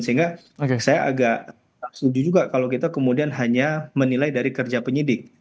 sehingga saya agak setuju juga kalau kita kemudian hanya menilai dari kerja penyidik